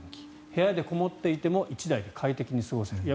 部屋にこもっていても１台で快適に過ごせるため。